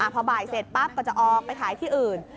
พอบ่ายเสร็จปั๊บก็จะออกไปขายที่อื่น